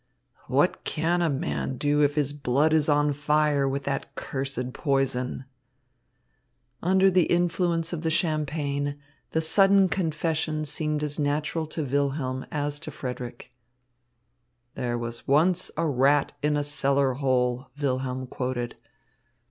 "What can a man do if his blood is on fire with that cursed poison?" Under the influence of the champagne, the sudden confession seemed as natural to Wilhelm as to Frederick. "'There once was a rat in a cellar hole,'" Wilhelm quoted.